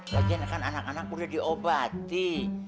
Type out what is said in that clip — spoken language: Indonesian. bagian kan anak anak sudah diobati